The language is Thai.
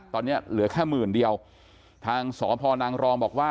ตอนนี้เหลือแค่หมื่นเดียวทางสพนางรองบอกว่า